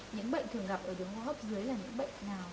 những bệnh thường gặp ở đường hô hấp dưới là những bệnh nào